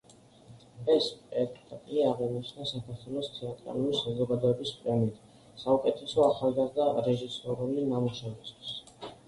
ეს სპექტაკლი აღინიშნა საქართველოს თეატრალური საზოგადოების პრემიით საუკეთესო ახალგაზრდა რეჟისორული ნამუშევრისთვის.